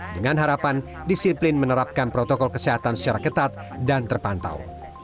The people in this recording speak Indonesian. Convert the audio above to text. dengan harapan disiplin menerapkan protokol kesehatan secara ketat dan terpantau